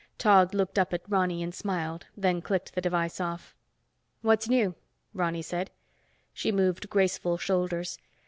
Tog looked up at Ronny and smiled, then clicked the device off. "What's new?" Ronny said. She moved graceful shoulders.